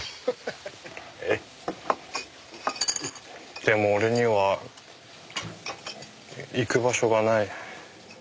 でも俺には行く場所がない。